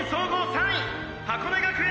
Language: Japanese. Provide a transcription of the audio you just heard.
３位箱根学園